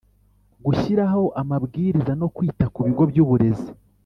Gushyiraho amabwiriza no kwita ku bigo by’ uburezi